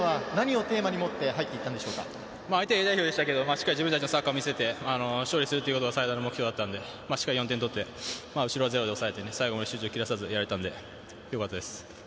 相手はＡ代表でしたけど、自分たちのサッカーを見せて勝利することが最大の目標だったので、しっかり４点取って後ろがゼロで抑えて、献身的にやれたので、よかったです。